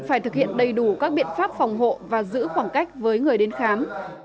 phải thực hiện đầy đủ các biện pháp phòng hộ và giữ khoảng cách với người đến khám